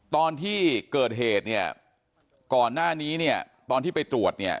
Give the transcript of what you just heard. ตอนที่เกิดเหตุเนี่ยก่อนหน้านี้เนี่ยตอนที่ไปตรวจเนี่ย